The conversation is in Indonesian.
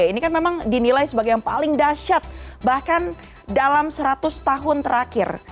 ini kan memang dinilai sebagai yang paling dahsyat bahkan dalam seratus tahun terakhir